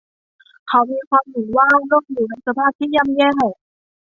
เขามีความเห็นว่าโลกอยู่ในสภาพที่ย่ำแย่